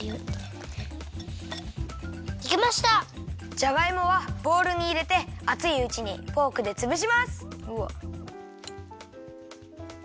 じゃがいもはボウルにいれてあついうちにフォークでつぶします。